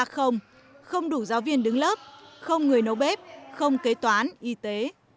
không đủ giáo viên đứng lớp không người nấu bếp không kế toán y tế